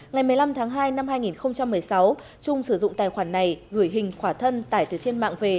ngày một mươi năm tháng hai năm hai nghìn một mươi sáu trung sử dụng tài khoản này gửi hình khỏa thân tải từ trên mạng về